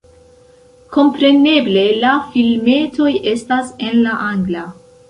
Kompreneble la filmetoj estas en la angla.